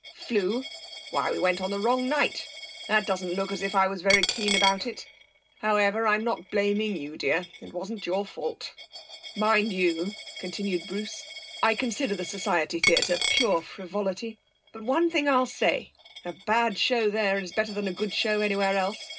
'Flew? Why, we went on the wrong night. That doesn't look as if I was very keen about it! However, I'm not blaming you, dear. It wasn't your fault. Mind you,' continued Bruce, 'I consider the Society Theatre pure frivolity. But one thing I'll say, a bad show there is better than a good show anywhere else.